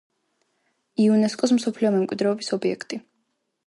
იუნესკოს მსოფლიო მემკვიდრეობის ობიექტი.